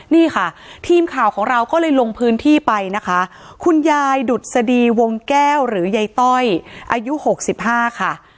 นี่ค่ะทีมข่าวของเราก็เลยลงพื้นที่ไปนะคะคุณยายดุษฎีวงแก้วหรือยายต้อยอายุ๖๕ค่ะ